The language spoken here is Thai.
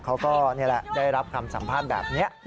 เขาก็ได้รับคำสัมภาษณ์แบบนี้